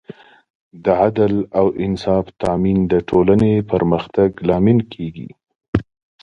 د عدل او انصاف تامین د ټولنې پرمختګ لامل کېږي.